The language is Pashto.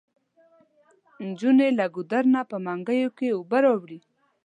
انجونې له ګودر نه په منګيو کې اوبه راوړي.